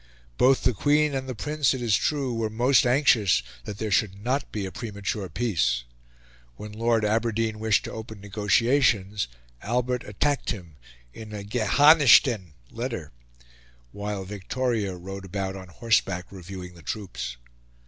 Both the Queen and the Prince, it is true, were most anxious that there should not be a premature peace. When Lord Aberdeen wished to open negotiations Albert attacked him in a "geharnischten" letter, while Victoria rode about on horseback reviewing the troops.